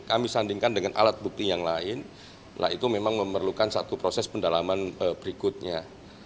kami sandingkan dengan alat bukti yang lain nah itu memang memerlukan satu proses pendalaman berikutnya